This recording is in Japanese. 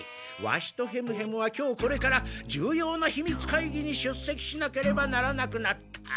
ワシとヘムヘムは今日これから重要なひみつ会議に出席しなければならなくなった。